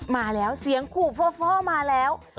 มาแล้วเสียงขู่ฟอร์ฟอร์มาแล้ว